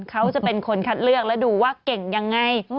เขาจะเป็นคนคัดเลือกและดูว่าเก่งยังไง